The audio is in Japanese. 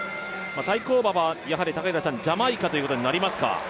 対抗馬はジャマイカということになりますか。